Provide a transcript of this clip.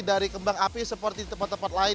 dari kembang api seperti tempat tempat lain